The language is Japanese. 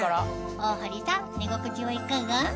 大堀さん寝心地はいかが？